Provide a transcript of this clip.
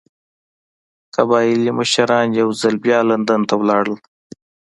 قبایلي مشران یو ځل بیا لندن ته لاړل.